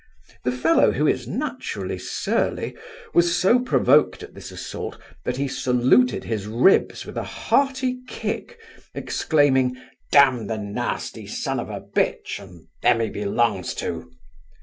The fellow, who is naturally surly, was so provoked at this assault, that he saluted his ribs with a hearty kick, exclaiming, 'Damn the nasty son of a bitch, and them he belongs to!